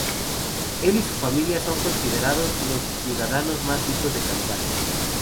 Él y su familia son considerados los ciudadanos más ricos de Canadá.